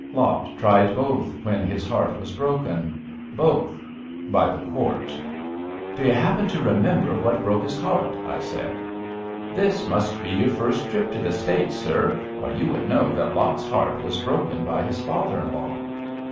Lot tried both when his heart was broken. Both — ^by the quart.*' D'you happen to remember what broke his heart? *' I said. This must be your first trip to the States, sir, or you would know that Lot's heart was broken by his father in law.